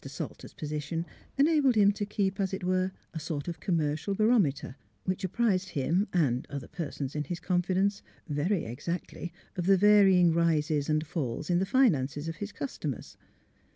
Salter's position enabled him to keep, as it were, a sort of commercial barometer, which 129 130 THE HEART OF PHILURA apprised him (and other persons in his confi dence) very exactly of the varying rises and falls in the finances of his customers.